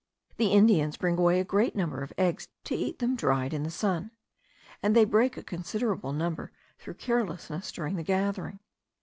The Indians bring away a great number of eggs to eat them dried in the sun; and they break a considerable number through carelessness during the gathering.